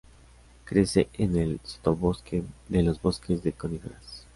Crece en el sotobosque de los bosques de coníferas.